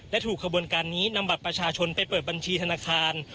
และถูกขบวนการนี้นำบัตรประชาชนไปเปิดบัญชีธนาคาร